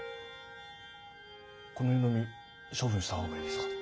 この湯飲み処分した方がいいですか？